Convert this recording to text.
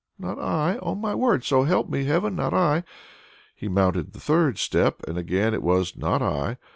"Not I, on my word! So help me Heaven, not I!" He mounted the third step and again it was "Not I!"